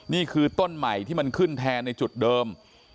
นี่คือต้นใหม่ที่มันขึ้นแทนในจุดเดิม